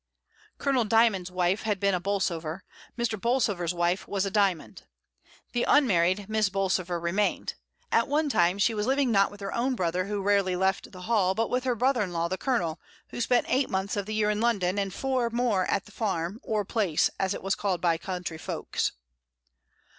Colonel Dymond's wife had been a Bolsover, Mr. Bolsover's wife was a Dymond. The unmarried Miss Bolsover remained; at one time she was living not with her own brother who rarely left the Hall, but with her brother in law, the Colonel, who spent eight months of the year in London and four more at the Farm, or "Place," as it was called by the country folks.